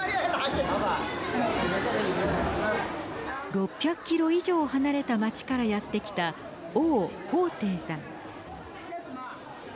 ６００キロ以上離れた街からやってきた王鵬程さん。